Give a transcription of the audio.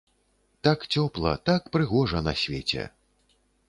Так цёпла, так прыгожа на свеце!